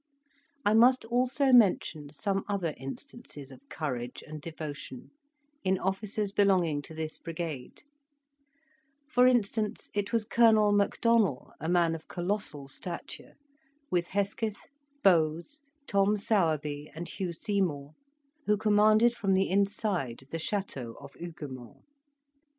I must also mention some other instances of courage and devotion in officers belonging to this brigade; for instance, it was Colonel MacDonell, a man of colossal stature, with Hesketh, Bowes, Tom Sowerby, and Hugh Seymour, who commanded from the inside the Chateau of Huguemont.